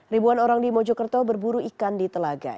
ribuan orang di mojokerto berburu ikan di telaga